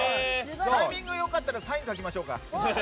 タイミングが良かったらサイン書きましょうか。